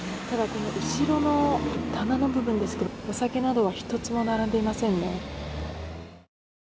ただこの後ろの棚の部分ですけど、お酒などは一つも並んでいませんね。